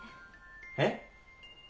えっ？